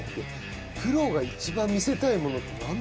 プロが一番見せたいものって何だろうね？